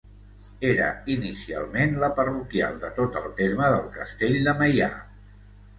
Era inicialment la parroquial de tot el terme del castell de Meià.